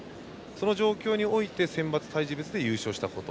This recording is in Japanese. その状況に応じて選抜体重別で優勝したこと。